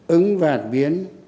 ứng vạt biến